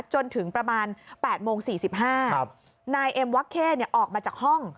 จนถึงประมาณ๘โมง๔๕นายเอ็มวักเข้ออกมาจากห้อง